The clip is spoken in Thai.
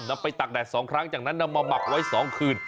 ไปตักแดด๒ครั้งจากนั้นนำมาหมักไว้๒คืน